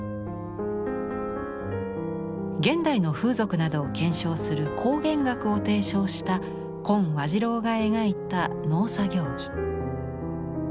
現代の風俗などを検証する考現学を提唱した今和次郎が描いた農作業着。